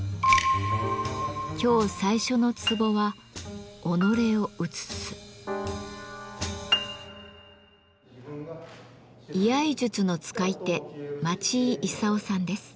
今日最初のツボは居合術の使い手町井勲さんです。